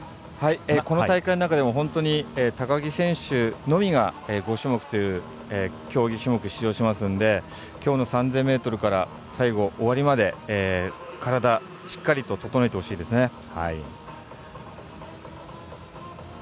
この大会の中でも本当に高木選手のみが５種目という競技種目出場しますのできょうの３０００ｍから最後、終わりまで体、しっかりと整えてほしいですね。